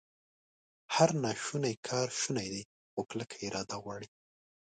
هر ناشونی کار شونی دی، خو کلکه اراده غواړي